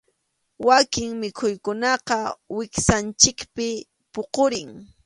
Wakin mikhuykunaqa wiksanchikpi puqurin.